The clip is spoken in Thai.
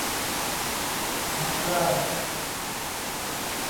พักได้